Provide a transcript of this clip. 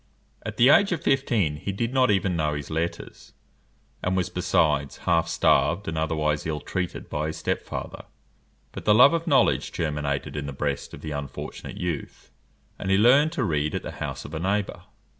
At the age of fifteen he did not even know his letters, and was, besides, half starved, and otherwise ill treated by his step father; but the love of knowledge germinated in the breast of the unfortunate youth, and he learned to read at the house of a neighbour.